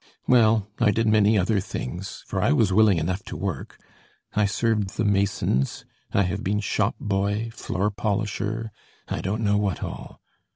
Well, I did many other things, for I was willing enough to work. I served the masons; I have been shop boy, floor polisher, I don't know what all!